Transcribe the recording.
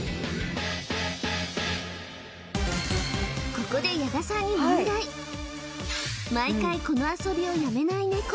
ここで矢田さんに問題毎回この遊びをやめないネコ